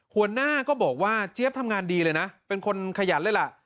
หัวหน้าก็บอกว่าเจี๊ยบทำงานดีเลยนะเป็นคนขยันเลยล่ะ